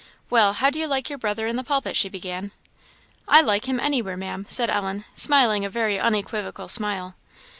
"Well, how do you like your brother in the pulpit?" she began. "I like him anywhere, Ma'am," said Ellen, smiling a very unequivocal smile.